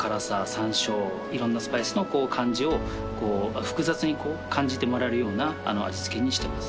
山椒いろんなスパイスの感じを複雑に感じてもらえるような味付けにしてます。